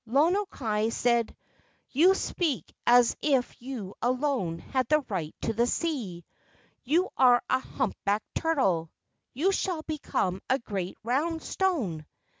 Lono kai said: "You speak as if you alone had the right to the sea. You are a humpbacked turtle; you shall become a* great round stone."